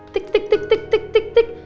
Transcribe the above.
tik tik tik tik tik tik